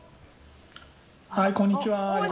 こんにちは。